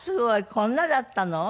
こんなだったの？